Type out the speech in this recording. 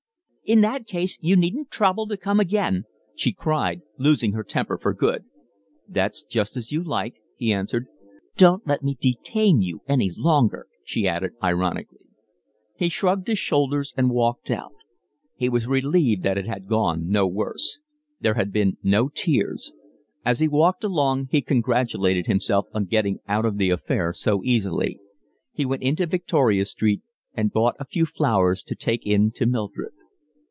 "In that case you needn't trouble to come again," she cried, losing her temper for good. "That's just as you like," he answered. "Don't let me detain you any longer," she added ironically. He shrugged his shoulders and walked out. He was relieved that it had gone no worse. There had been no tears. As he walked along he congratulated himself on getting out of the affair so easily. He went into Victoria Street and bought a few flowers to take in to Mildred.